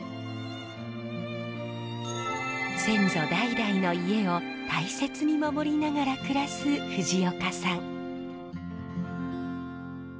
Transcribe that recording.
先祖代々の家を大切に守りながら暮らす藤岡さん。